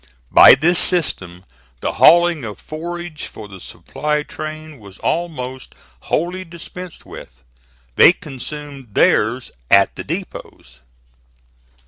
By this system the hauling of forage for the supply train was almost wholly dispensed with. They consumed theirs at the depots.